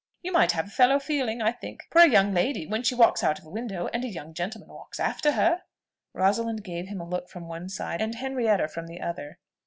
You might have a fellow feeling, I think, for a young lady, when she walks out of a window, and a young gentleman walks after her!" Rosalind gave him a look from one side, and Henrietta from the other.